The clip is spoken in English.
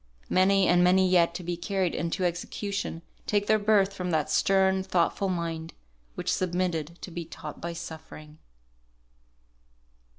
Many and many yet to be carried into execution, take their birth from that stern, thoughtful mind, which submitted to be taught by suffering.